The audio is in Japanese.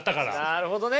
なるほどね。